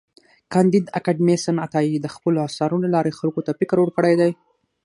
کانديد اکاډميسن عطايي د خپلو اثارو له لارې خلکو ته فکر ورکړی دی.